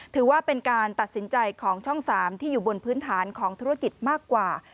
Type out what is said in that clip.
ถือว่าเป็นการตัดสินใจของช่อง๓ที่อยู่บนพื้นฐานของธุรกิจมากกว่า